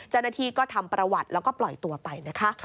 เจ้าหน้าที่ก็ทำประวัติแล้วก็ปล่อยตัวไปนะคะ